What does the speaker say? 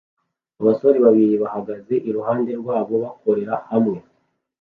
Abasore babiri bahagaze iruhande rwabo bakorera hamwe